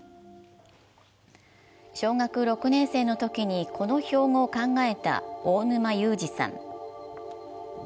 小学６年生のときにこの標語を考えた大沼勇治さん。